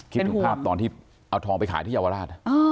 คิดถึงภาพตอนที่เอาทองไปขายที่เยาวราช